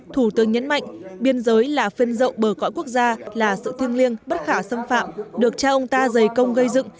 thủ tướng nhấn mạnh biên giới là phên rộng bờ cõi quốc gia là sự thiêng liêng bất khả xâm phạm được cha ông ta dày công gây dựng